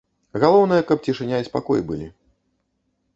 Галоўнае, каб цішыня і спакой былі.